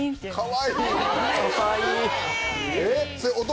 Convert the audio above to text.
かわいい！